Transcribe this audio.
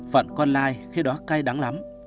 phận con lai khi đó cay đắng lắm